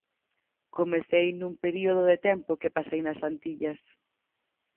Comecei nun período de tempo que pasei nas Antillas.